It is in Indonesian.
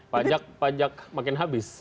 pajak pajak makin habis